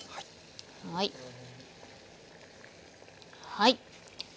はい。